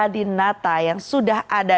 di nata yang sudah ada